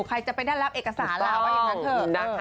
ใครจะไปได้รับเอกสาราวะอย่างนั้นเถอะ